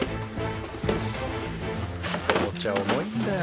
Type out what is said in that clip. お茶重いんだよ。